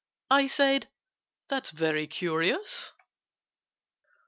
I said "That's very curious!"